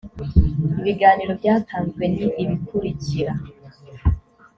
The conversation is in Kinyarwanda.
ibiganiro byatanzwe ni ibikurikira